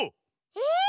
え！